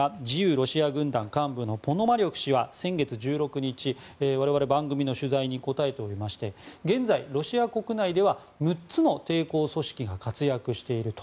ロシア軍団幹部のポノマリョフ氏は先月１６日我々、番組の取材に答えておりまして現在、ロシア国内では６つの抵抗組織が活躍していると。